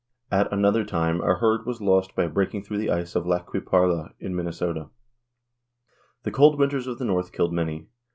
At another time a herd was lost by breaking through the ice of Lac Qui Parle in Minnesota. The cold winters of the north killed many.